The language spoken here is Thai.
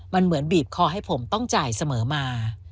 มันเหมือนบีบคอให้ผมต้องจ่ายเสมอมา